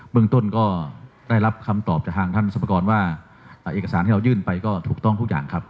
เมืองต้นก็ได้รับคำตอบจากทางท่านสรรพากรว่าเอกสารที่เรายื่นไปก็ถูกต้องทุกอย่างครับ